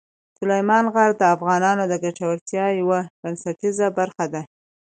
سلیمان غر د افغانانو د ګټورتیا یوه بنسټیزه برخه ده.